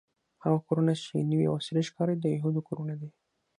هغه کورونه چې نوې او عصري ښکاري د یهودو کورونه دي.